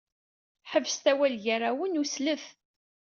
Ḥebset awal gar-awen u slet!